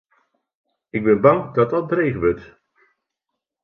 Ik bin bang dat dat dreech wurdt.